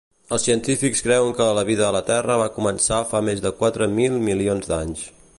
Els científics creuen que la vida a la terra va començar fa més de quatre mil milions d'anys.